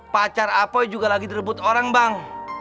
pacar apoi juga lagi direbut orang bang